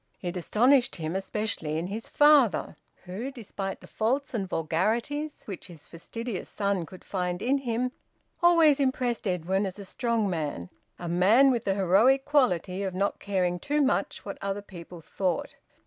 It astonished him especially in his father, who, despite the faults and vulgarities which his fastidious son could find in him, always impressed Edwin as a strong man, a man with the heroic quality of not caring too much what other people thought.